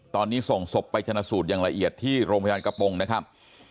ตอนนี้ส่งศพไปชนะสูตรอย่างละเอียดที่โรงพยาบาลกระโปรงนะครับ